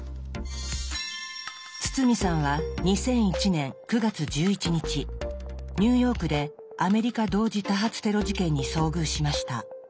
堤さんは２００１年９月１１日ニューヨークでアメリカ同時多発テロ事件に遭遇しました。